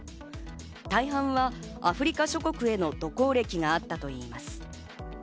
大半はアフリカ諸国への渡航歴があったといいます。